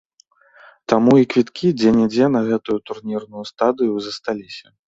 Таму і квіткі дзе-нідзе на гэтую турнірную стадыю засталіся.